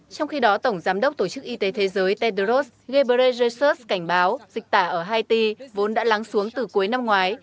trong khi đó tổng giám đốc tổ chức y tế thế giới tedros ghebre jesseurs cảnh báo dịch tả ở haiti vốn đã lắng xuống từ cuối năm ngoái